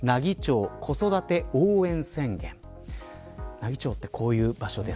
奈義町はこういう場所です。